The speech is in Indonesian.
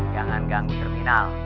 jangan gang di terminal